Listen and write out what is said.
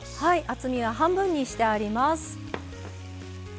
厚みは半分にしてあります。